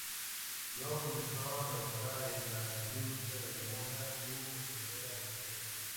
Luego, comenzó a trabajar en la industria de la moda, su verdadera vocación.